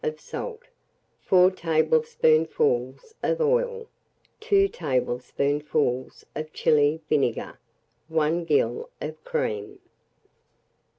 of salt, 4 tablespoonfuls of oil, 2 tablespoonfuls of Chili vinegar, 1 gill of cream.